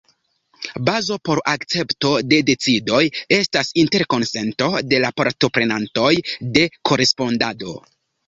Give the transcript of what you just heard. Bazo por akcepto de decidoj estas interkonsento de la partoprenantoj de korespondado.